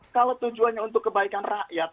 kalau tujuannya untuk kebaikan rakyat